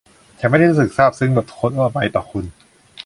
ฉันไม่ได้รู้สึกซาบซึ้งแบบทั่วไปต่อคุณ